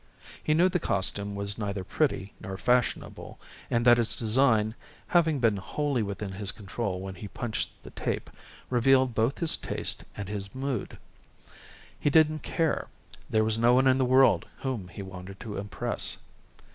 He knew the costume was neither pretty nor fashionable and that its design, having been wholly within his control when he punched the tape, revealed both his taste and his mood. He didn't care; there was no one in the world whom he wanted to impress.